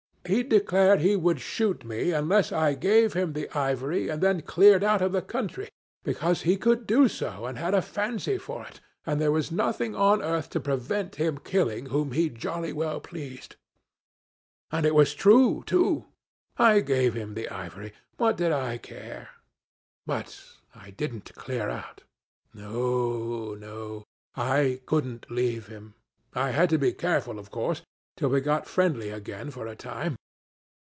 He declared he would shoot me unless I gave him the ivory and then cleared out of the country, because he could do so, and had a fancy for it, and there was nothing on earth to prevent him killing whom he jolly well pleased. And it was true too. I gave him the ivory. What did I care! But I didn't clear out. No, no. I couldn't leave him. I had to be careful, of course, till we got friendly again for a time.